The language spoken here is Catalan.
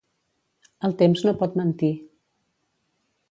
El temps no pot mentir.